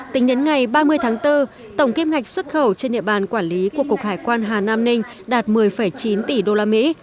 tính đến ngày ba mươi tháng bốn tổng kiếm ngạch xuất khẩu trên địa bàn quản lý của cục hải quan hà nam ninh đạt một mươi chín tỷ usd